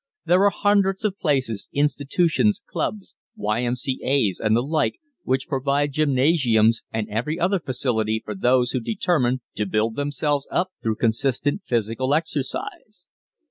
There are hundreds of places, institutions, clubs, Y.M.C.A.'s, and the like, which provide gymnasiums and every other facility for those who determine to build themselves up through consistent physical exercise.